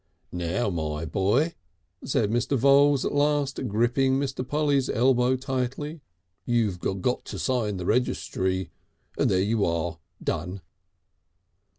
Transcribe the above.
"Now, my boy," said Mr. Voules at last, gripping Mr. Polly's elbow tightly, "you've got to sign the registry, and there you are! Done!"